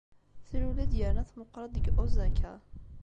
Tlul-d yerna tmeqqeṛ-d deg Osaka.